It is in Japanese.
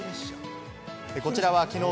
こちらはきのう